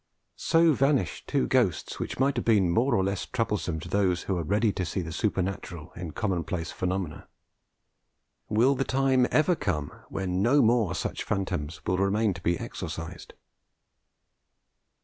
So vanish two ghosts which might have been more or less troublesome to those who are ready to see the supernatural in commonplace phenomena. Will the time ever come when no more such phantoms will remain to be exorcised?